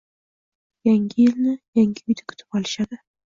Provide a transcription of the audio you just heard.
Yangi yilni yangi uyda kutib olishadi